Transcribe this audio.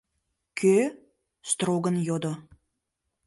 — Кӧ? — строгын йодо.